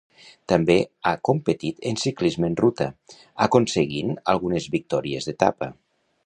També ha competit en ciclisme en ruta, aconseguint algunes victòries d'etapa.